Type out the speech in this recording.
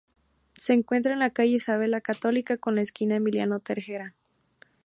Se encuentra en la calle Isabel la Católica con la esquina Emiliano Tejera.